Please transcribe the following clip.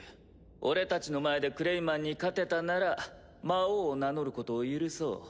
俺たちの前でクレイマンに勝てたなら魔王を名乗ることを許そう。